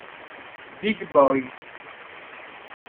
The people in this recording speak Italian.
Big Boy